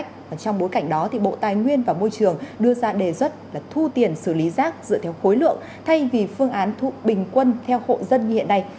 trong bối cảnh đó bộ tài nguyên và môi trường đưa ra đề xuất là thu tiền xử lý rác dựa theo khối lượng thay vì phương án bình quân theo hộ dân như hiện nay